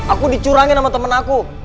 aku dicurangin sama temen aku